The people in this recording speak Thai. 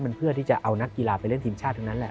มันเพื่อที่จะเอานักกีฬาไปเล่นทีมชาติทั้งนั้นแหละ